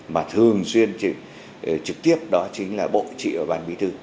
mà thường xuyên trực tiếp đó chính là bộ chính trị ở bàn bí thư